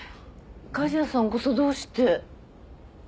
狩矢さんこそどうして？